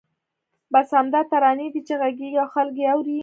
بس همدا ترانې دي چې غږېږي او خلک یې اوري.